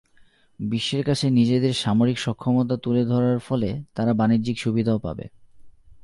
বিশ্বের কাছে নিজেদের সামরিক সক্ষমতা তুলে ধরার ফলে তারা বাণিজ্যিক সুবিধাও পাবে।